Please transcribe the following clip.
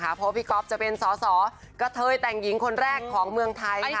เพราะว่าพี่ก๊อฟจะเป็นสอสอกระเทยแต่งหญิงคนแรกของเมืองไทยค่ะ